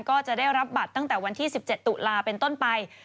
ก็จะได้รับบัตรตั้งแต่วันที่๑๗ตุลาเป็นต้นไป